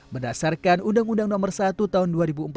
berdasarkan undang undang nomor satu tahun dua ribu empat belas